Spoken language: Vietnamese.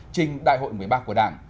trình đại hội một mươi ba của đảng